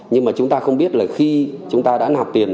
nhưng mà chúng ta không biết là khi chúng ta đã nạp tiền